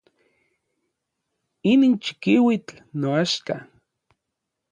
Inin chikiuitl noaxka.